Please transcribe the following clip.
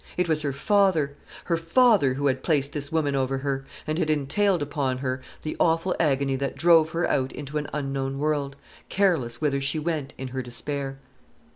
It was her father, her father, who had placed this woman over her, and had entailed upon her the awful agony that drove her out into an unknown world, careless whither she went in her despair.